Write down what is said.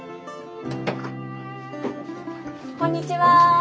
こんにちは。